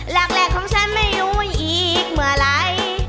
หลักของฉันไม่รู้ว่าอีกเมื่อไหร่